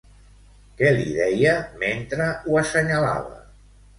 Què li deia mentre ho assenyalava?